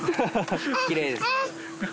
きれいですね。